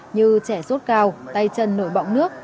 như trẻ sốt cao tay chân nổi bọng nước